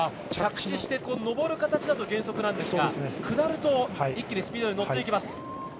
着地して、上る形だと減速なんですが下ると一気にスピードに乗っていきます。